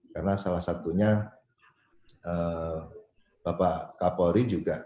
karena salah satunya bapak kapolri juga